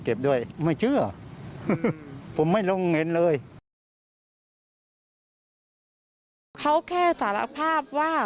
เขาแค่สารภาพว่า